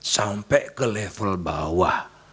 sampai ke level bawah